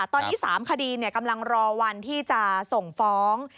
ตอนนี้๓คดีกำลังรอวันที่จะส่งฟ้อง